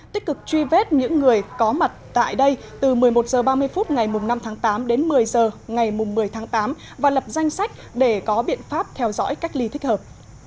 tích cực truy vết những người có mặt tại đây từ một mươi một h ba mươi phút ngày năm tháng tám đến một mươi h ngày một mươi tháng tám và lập danh sách để có biện pháp theo dõi cách ly thích hợp